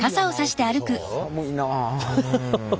寒いなあ。